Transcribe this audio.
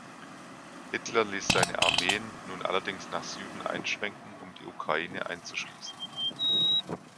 Hitler ließ seine Armeen nun allerdings nach Süden einschwenken, um die Ukraine einzuschließen.